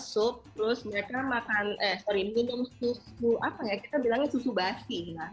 sup terus mereka makan eh sorry minum susu apa ya kita bilangnya susu basi